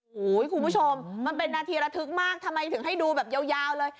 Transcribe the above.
โอ้โหคุณผู้ชมมันเป็นนาทีระทึกมากทำไมถึงให้ดูแบบยาวเลย